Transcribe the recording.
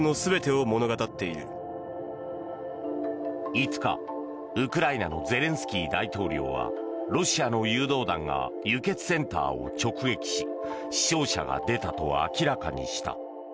５日、ウクライナのゼレンスキー大統領はロシアの誘導弾が輸血センターを直撃し死傷者が出たと明らかにした。